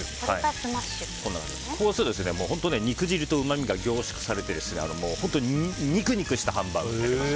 こうすると肉汁とうまみが凝縮されて肉々したハンバーグになります。